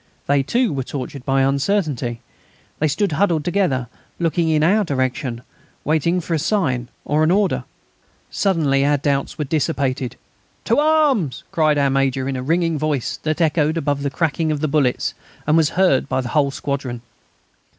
They, too, were tortured by uncertainty. They stood huddled together, looking in our direction, waiting for a sign or an order. Suddenly our doubts were dissipated. "To arms!" cried our Major, in a ringing voice that echoed above the crackling of the bullets and was heard by the whole squadron.